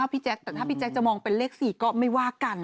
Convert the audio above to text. พี่แจ๊คแต่ถ้าพี่แจ๊คจะมองเป็นเลข๔ก็ไม่ว่ากัน